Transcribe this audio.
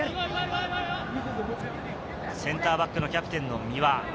センターバックのキャプテンの三輪。